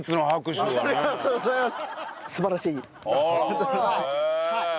ありがとうございます。